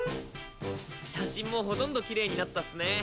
写真もほとんど綺麗になったっすね